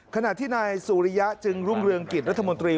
ขณะที่นายสุริยะจึงรุ่งเรืองกิจรัฐมนตรี